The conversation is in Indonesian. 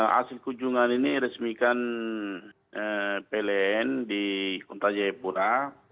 hasil kunjungan ini resmikan pln di kota jayapura